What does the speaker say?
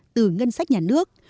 từ ngân sách nhà nước